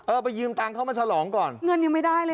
ไปยืมตังค์เขามาฉลองก่อนเงินยังไม่ได้เลย